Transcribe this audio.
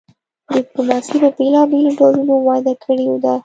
ډیپلوماسي په بیلابیلو ډولونو وده کړې ده